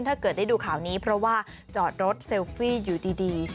ถ้าเกิดได้ดูข่าวนี้เพราะว่าจอดรถเซลฟี่อยู่ดี